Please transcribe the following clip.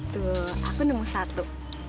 tuh aku nemu satu